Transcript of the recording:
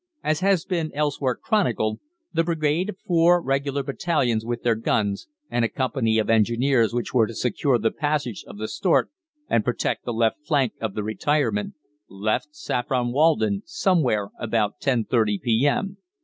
As has been elsewhere chronicled, the brigade of four regular battalions with their guns, and a company of Engineers which were to secure the passage of the Stort and protect the left flank of the retirement, left Saffron Walden somewhere about 10.30 p.m.